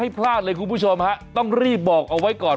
พลาดเลยคุณผู้ชมฮะต้องรีบบอกเอาไว้ก่อน